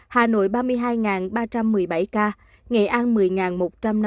hà nội ba mươi hai ba trăm một mươi bảy ca nghệ an một mươi một trăm năm mươi ca